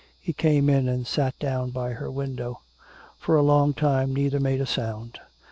He came in and sat down by her window. For a long time neither made a sound.